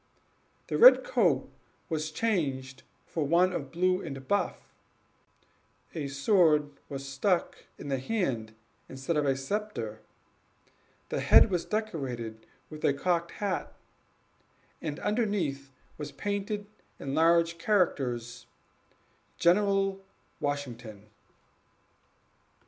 The red coat was changed for one of blue and buff, a sword was held in the hand instead of a sceptre, the head was decorated with a cocked hat, and underneath was painted in large characters, GENERAL WASHINGTON.